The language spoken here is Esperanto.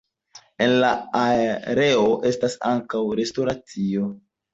En la areo estas ankaŭ restoracio.